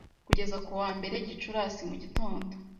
kugeza ku wa mbere Gicurasi mugitondo